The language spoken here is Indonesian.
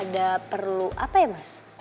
ada perlu apa ya mas